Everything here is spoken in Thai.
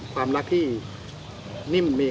ความรักที่นี่มันมี